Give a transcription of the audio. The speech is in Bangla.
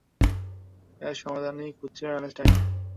এর সমাধানই খুঁজছিলেন আইনস্টাইন।